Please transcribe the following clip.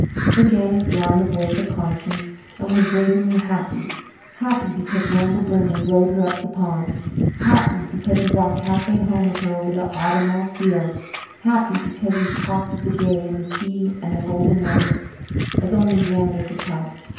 So Janet drowned the voice of conscience and was brazenly happy happy because Randall Burnley rowed her up the pond happy because he walked halfway home with her over the autumnal fields happy because he talked of the day and the sea and the golden weather, as only Randall could talk.